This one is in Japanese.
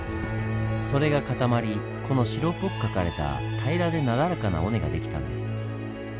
それが固まりこの白っぽく描かれた平らでなだらかな尾根が出来たんです。